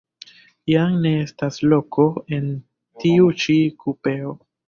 Jam ne estas loko en tiu ĉi kupeo.